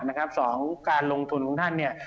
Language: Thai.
นะครับสองการลงทุนของท่านเนี่ย